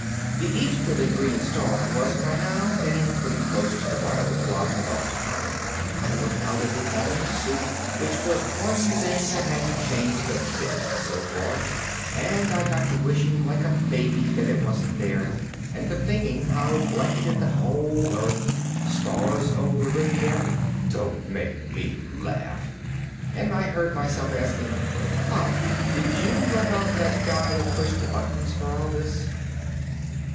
The easterly green star was by now getting pretty close to the violet blot of Atla Hi. I looked out at the orange soup, which was one thing that hadn't changed a bit so far, and I got to wishing like a baby that it wasn't there and to thinking how it blanketed the whole Earth (stars over the Riviera? don't make me laugh!) and I heard myself asking, "Pop, did you rub out that guy that pushed the buttons for all this?"